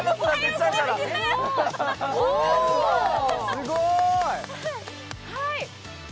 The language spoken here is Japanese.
すごーい！